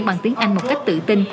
bằng tiếng anh một cách tự tin